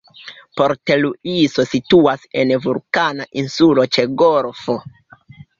Port-Luiso situas en vulkana insulo ĉe golfo.